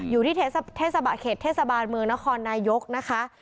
อยู่ที่เขตเทศบาลเมืองนครนายกนะคะ